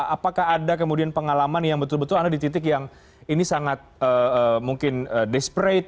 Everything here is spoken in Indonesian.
apakah ada kemudian pengalaman yang betul betul anda di titik yang ini sangat mungkin desperate